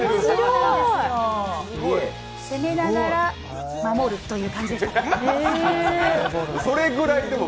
攻めながら、守るっていう感じですね。